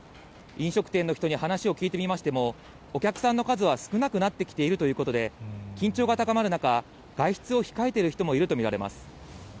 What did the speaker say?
飲食店の人に話を聞いてみましても、お客さんの数は少なくなってきているということで、緊張が高まる中、外出を控えている人もいると見られます。